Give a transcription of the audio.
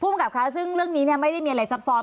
ภูมิกับค่ะซึ่งเรื่องนี้ไม่ได้มีอะไรซับซ้อน